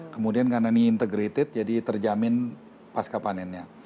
kemudian karena ini integrated jadi terjamin pasca panennya